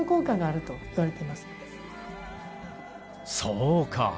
そうか。